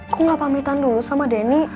kok gak pamitan dulu sama denny